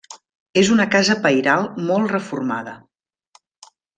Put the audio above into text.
És una casa pairal molt reformada.